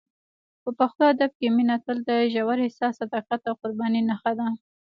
په پښتو ادب کې مینه تل د ژور احساس، صداقت او قربانۍ نښه ده.